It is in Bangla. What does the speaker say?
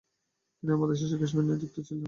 তিনি ঐ মাদ্রাসার শিক্ষক হিসেবে নিযুক্ত হন।